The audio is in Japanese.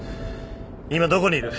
今どこにいる！？